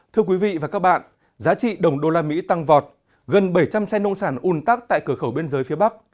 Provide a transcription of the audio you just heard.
thưa quý vị và các bạn giá trị đồng đô la mỹ tăng vọt gần bảy trăm linh xe nông sản un tắc tại cửa khẩu biên giới phía bắc